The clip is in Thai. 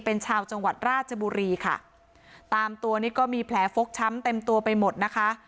เป็นชาวจังหวัดราชบุรีค่ะตามตัวนี้ก็มีแผลฟกช้ำเต็มตัวไปหมดนะคะ